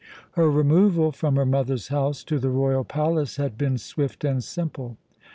Her removal from her mother's house to the royal palace had been swift and simple.